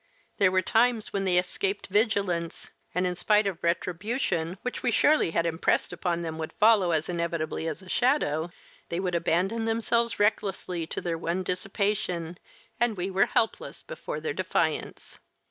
There were times when they escaped vigilance and, in spite of the retribution which we surely had impressed upon them would follow as inevitably as a shadow, they would abandon themselves recklessly to their one dissipation and we were helpless before their defiance.